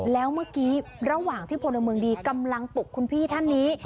แล้วเมื่อกี้ระหว่างที่พลเมืองดีกำลังปลุกคุณพี่ท่านนี้